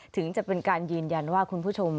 ถึงจะเป็นการยืนยันว่าคุณผู้ชม